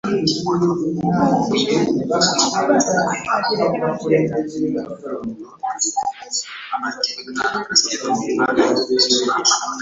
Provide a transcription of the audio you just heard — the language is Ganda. Wawulira ng’osobola okukola ebintu abalala bye batasobola kukola, ong’oli wa mugaso nnyo?